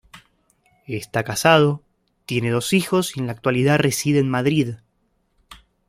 Está casado, tiene dos hijos y en la actualidad reside en Madrid.